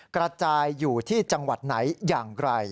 กระจายอยู่ที่จังหวัดไหนอย่างไร